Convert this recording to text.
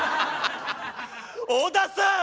小田さん！